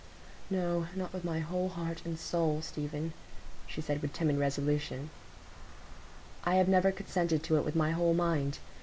"No, not with my whole heart and soul, Stephen," she said with timid resolution. "I have never consented to it with my whole mind.